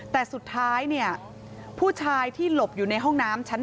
แต่สุดท้ายเนี่ยผู้ชายที่หลบอยู่ในห้องน้ำชั้น๓